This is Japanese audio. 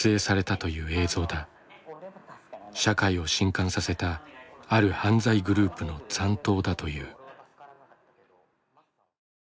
社会を震撼させたある犯罪グループの残党だという。